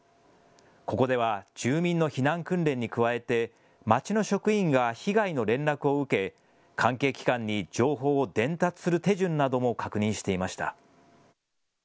ここでは住民の避難訓練に加えて町の職員が被害の連絡を受け関係機関に情報を伝達する手順なども確認していました。